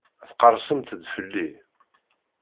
Tqerrsemt-d fell-i.